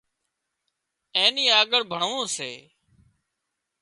اين نين آڳۯ ڀڻوون سي پر